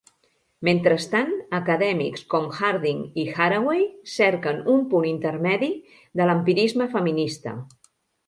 Mentrestant, acadèmics com Harding i Haraway cerquen un punt intermedi de l'empirisme feminista.